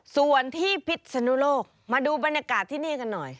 ส่วนที่พิษนุโลกมาดูบรรยากาศที่นี่กันหน่อย